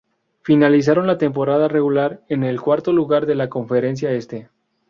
Finalizaron la temporada regular en el cuarto lugar de la conferencia este.